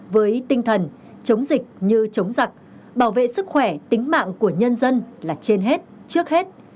với tinh thần chống dịch như chống giặc bảo vệ sức khỏe tính mạng của nhân dân là trên hết trước hết